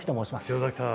塩崎さん